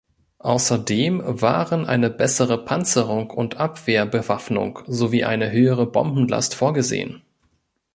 Außerdem waren eine bessere Panzerung und Abwehrbewaffnung sowie eine höhere Bombenlast vorgesehen.